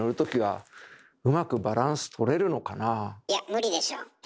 いや無理でしょ。